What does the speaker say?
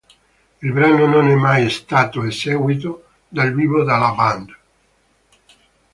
Il brano non è mai stato eseguito dal vivo dalla band.